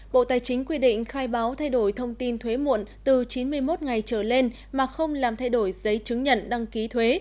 bộ tài chính quy định khai báo thay đổi thông tin thuế muộn từ chín mươi một ngày trở lên mà không làm thay đổi giấy chứng nhận đăng ký thuế